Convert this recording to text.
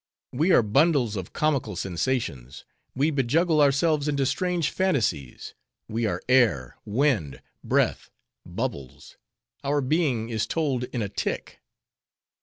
We are bundles of comical sensations; we bejuggle ourselves into strange phantasies: we are air, wind, breath, bubbles; our being is told in a tick.